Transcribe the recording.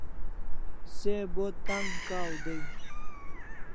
Se bo tang kaw day